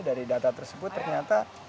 dari data tersebut ternyata